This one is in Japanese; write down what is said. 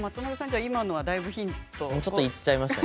今のはだいぶヒントですか。